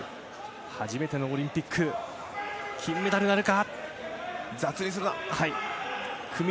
初めてのオリンピック金メダルなるか。